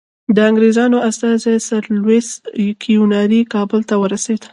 د انګریزانو استازی سر لویس کیوناري کابل ته ورسېد.